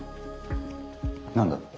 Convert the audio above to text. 何だ？